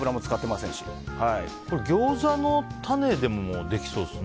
ギョーザのタネでもできそうですね。